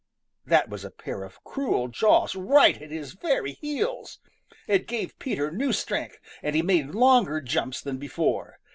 That was a pair of cruel jaws right at his very heels. It gave Peter new strength, and he made longer jumps than before.